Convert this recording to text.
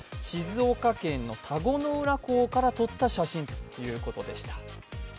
静岡県の田子の浦港から撮った写真だということです。